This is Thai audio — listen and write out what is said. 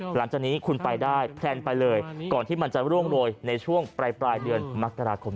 หลังจากนี้คุณไปได้แพลนไปเลยก่อนที่มันจะร่วงโรยในช่วงปลายเดือนมกราคม